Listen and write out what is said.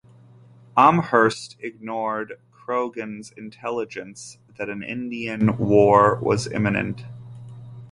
Amherst ignored Croghan's intelligence that an Indian war was imminent.